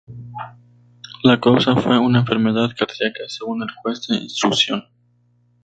La causa fue una enfermedad cardiaca, según el juez de instrucción.